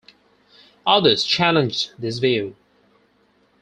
Others challenged this view.